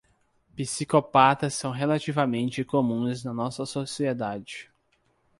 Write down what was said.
Psicopatas são relativamente comuns na nossa sociedade